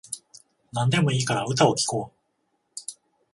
なんでもいいから歌を聴こう